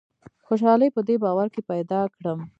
خوشالي په دې باور کې پیدا کړم.